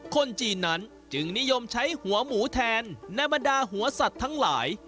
คนจีนนั้นจึงนิยมใช้หัวหมูแทนในบรรดาหัวสัตว์ทั้งหลาย